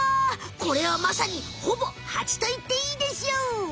これはまさにほぼハチといっていいでしょう！